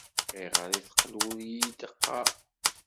Ayɣer ay teqqel ur iyi-d-teɣɣar?